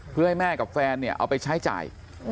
เพื่อให้แม่กับแฟนเนี่ยเอาไปใช้จ่าย